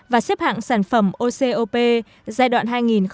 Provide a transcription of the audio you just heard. và xếp hạng sản phẩm ocop giai đoạn hai nghìn một mươi sáu hai nghìn hai mươi